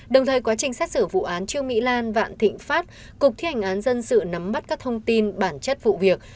đồng thời quá trình xét xử vụ án trương mỹ lan vạn thịnh pháp cục thi hành án dân sự nắm bắt các thông tin bản chất vụ việc